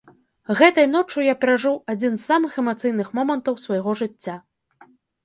Гэтай ноччу я перажыў адзін з самых эмацыйных момантаў свайго жыцця.